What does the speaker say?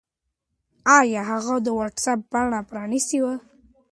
آیا هغه د وټس-اپ پاڼه پرانستې وه؟